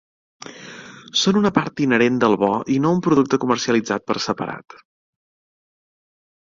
Són una part inherent del bo i no un producte comercialitzat per separat.